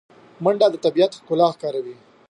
منډه د طبیعت ښکلا ښکاروي